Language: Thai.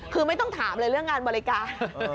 คือไม่ต้องถามเลยเรื่องงานบริการ